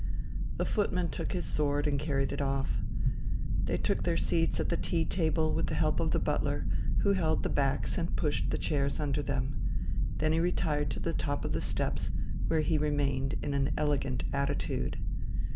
The footman took his sword, and carried it off. They took their seats at the tea table with the help of the butler, who held the backs and pushed the chairs under them. Then he retired to the top of the steps, where he remained in an elegant attitude.